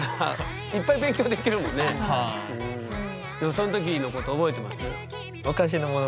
その時のこと覚えてます？